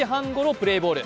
プレーボール